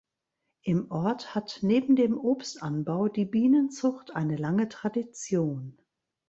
Im Ort hat neben dem Obstanbau die Bienenzucht eine lange Tradition.